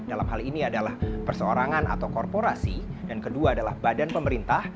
dalam hal ini adalah perseorangan atau korporasi dan kedua adalah badan pemerintah